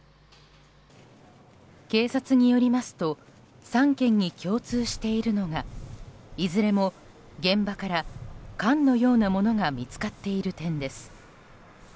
警察によりますと３件に共通しているのがいずれも現場から缶のようなものが見つかっている点です。